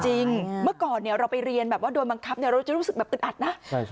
จริงเมื่อก่อนเนี้ยเราไปเรียนแบบว่าโดยบังคับเนี้ยเราจะรู้สึกแบบปริศนาใช่ใช่